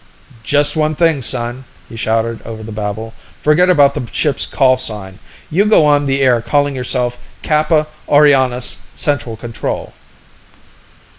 "Just one thing, son," he shouted over the babble. "Forget about the ship's call sign. You go on the air calling yourself Kappa Orionis Central Control."